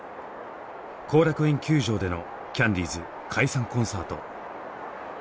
後楽園球場でのキャンディーズ解散コンサート。